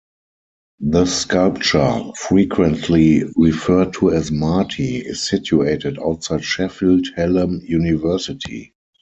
The sculpture, frequently referred to as "Marti", is situated outside Sheffield Hallam University.